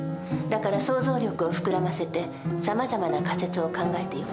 だから想像力を膨らませてさまざまな仮説を考えていくの。